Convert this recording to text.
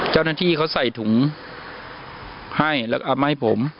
เจ้าหน้าที่เขาใส่ถุงให้แล้วก็เอามาให้ผม